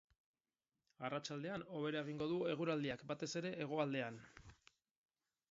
Arratsaldean hobera egingo du eguraldiak, batez ere hegoaldean.